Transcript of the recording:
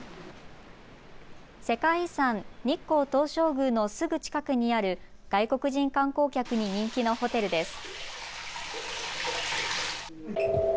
世界遺産、日光東照宮のすぐ近くにある外国人観光客に人気のホテルです。